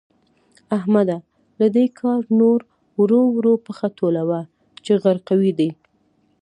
احمده؛ له دې کاره نور ورو ورو پښه ټولوه چې غرقوي دي.